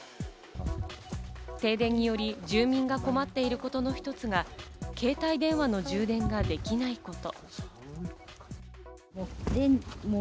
停電により住民が困っていることの一つが携帯電話の充電ができないこと。